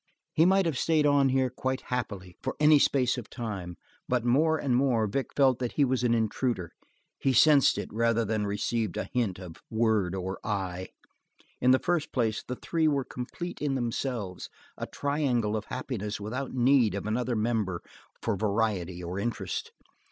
He might have stayed on here quite happily for any space of time, but more and more Vic felt that he was an intruder; he sensed it, rather than received a hint of word or eye. In the first place the three were complete in themselves, a triangle of happiness without need of another member for variety or interest.